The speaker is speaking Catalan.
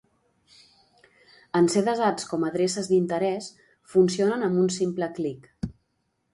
En ser desats com a adreces d'interès, funcionen amb un simple clic.